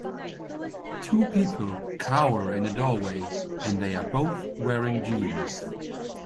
Two people cower in a doorway and they are both wearing jeans.